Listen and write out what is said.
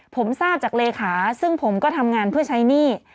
ผมทราบจากเลขาซึ่งผมก็ทำงานเพื่อใช้หนี้